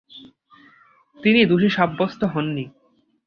তিনি দোষী সাব্যস্ত হননি।